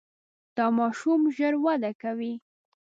دا ماشوم ژر وده کوي.